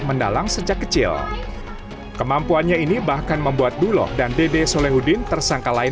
mendalang sejak kecil kemampuannya ini bahkan membuat duloh dan dede solehudin tersangka lain